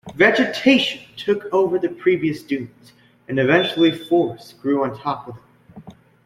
Vegetation took over the previous dunes, and eventually forests grew on top of them.